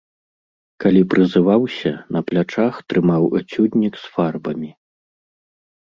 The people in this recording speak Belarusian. Калі прызываўся, на плячах трымаў эцюднік з фарбамі.